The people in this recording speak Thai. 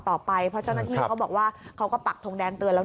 เพราะเจ้าหน้าที่เขาบอกว่าเขาก็ปักทงแดงเตือนแล้ว